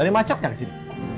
tadi macet gak disini